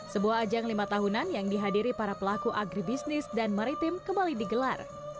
sebuah ajang lima tahunan yang dihadiri para pelaku agribisnis dan maritim kembali digelar